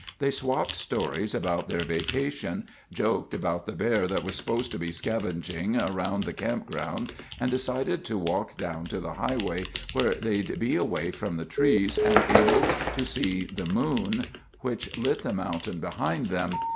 They swapped stories about their vacations, joked about the bear that was supposed to be scavenging around the campground, and decided to walk down to the highway where they'd be away from the trees and able to see the moon, which lit the mountain behind them.